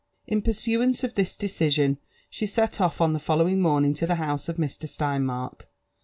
In pursuance of this decision she set off on the following morning for the house of Hr. Steinmark.